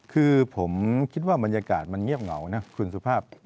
คือผมคิดว่าบรรยากาศมันเงียบเหงานะคุณสุภาพ